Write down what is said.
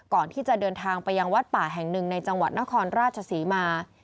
ก่อนที่จะเดินทางไปยังวัดป่าแห่งหนึ่งในจังหวัดนครราชศรีมา